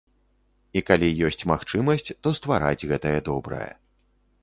І калі ёсць магчымасць, то ствараць гэтае добрае.